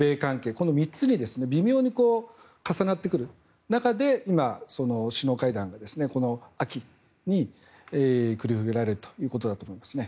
この３つに微妙に重なってくる中で今、首脳会談がこの秋に繰り広げられるということだと思いますね。